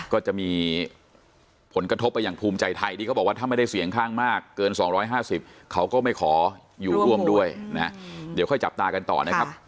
ก็จะมีผลกระทบไปอย่างภูมิใจไทยที่เขาบอกว่าถ้าไม่ได้เสียงข้างมากเกิน๒๕๐เขาก็ไม่ขออยู่ร่วมด้วยนะฮะเดี๋ยวค่อยจับตากันต่อนะครับ